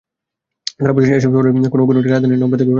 তাঁরা বলছেন, এসব শহরের কোনো কোনোটি রাজধানী নমপেন থেকেও আয়তনে বড়।